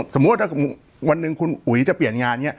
สมมุติวันหนึ่งคุณอุ๋ยจะเปลี่ยนงานอย่างนี้